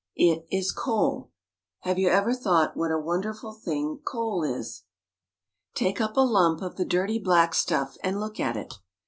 It is coal. Have you everthought what a wonderful thing coal is? Take up a lump of the dirty black stuff and look at it.